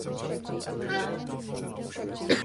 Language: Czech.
Další dva roky však ještě na konzervatoři učil skladbu.